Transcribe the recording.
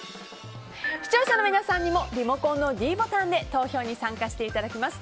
視聴者の皆さんにもリモコンのｄボタンで投票に参加していただきます。